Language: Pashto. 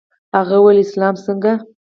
خو هغه وويل اسلام څنگه.